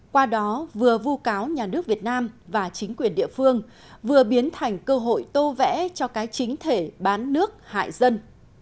qua đó vừa vu cáo nhà nước việt nam và chính quyền địa phương vừa biến thành cơ hội tô vẽ cho cái chính thể bán nước hại dân